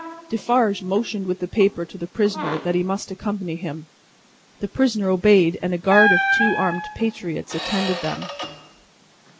Defarge motioned with the paper to the prisoner that he must accompany him. The prisoner obeyed, and a guard of two armed patriots attended them.